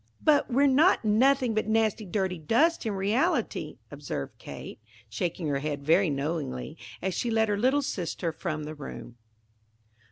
"But we're not 'nothing but nasty, dirty dust,' in reality," observed Kate, shaking her head very knowingly, as she led her little sister from the room.